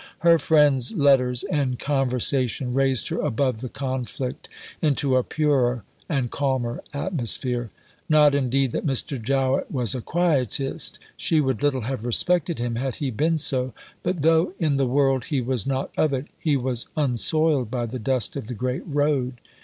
Her friend's letters and conversation raised her above the conflict into a purer and calmer atmosphere. Not indeed that Mr. Jowett was a quietist; she would little have respected him had he been so; but though in the world, he was not of it; he was unsoiled by the dust of the great road.